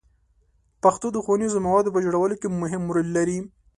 پښتو د ښوونیزو موادو په جوړولو کې مهم رول لري.